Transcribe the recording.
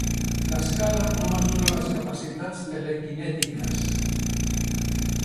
L'escala no mesura les capacitats telekinètiques.